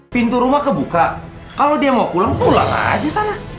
pintu rumah kebuka kalau dia mau pulang pulang aja sana